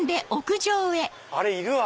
あれいるわ！